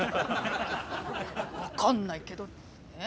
分かんないけど。